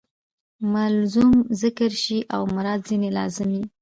ملزوم ذکر سي او مراد ځني لازم يي.